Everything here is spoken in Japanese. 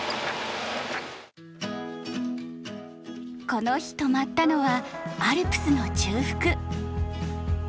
この日泊まったのはアルプスの中腹。